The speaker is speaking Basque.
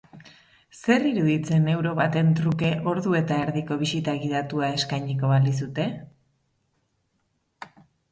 Zer iruditzen euro baten truke ordu eta erdiko bisita gidatua eskainiko balizute?